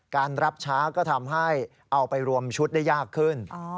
การรับช้าก็ทำให้เอาไปรวมชุดได้ยากขึ้น